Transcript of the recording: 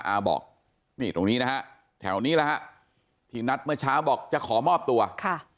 อาบอกนี่ตรงนี้นะฮะแถวนี้แหละฮะที่นัดเมื่อเช้าบอกจะขอมอบตัวค่ะ